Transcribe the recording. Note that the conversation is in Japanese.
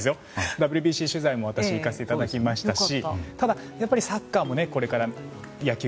ＷＢＣの取材にも私、行かせていただきましたし。